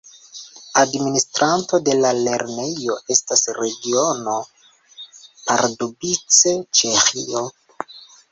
Administranto de la lernejo estas Regiono Pardubice, Ĉeĥio.